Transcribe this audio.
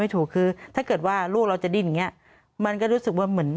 ไม่ถูกคือถ้าเกิดว่าลูกเราจะดิ้นเนี้ยมันก็รู้สึกว่ามัน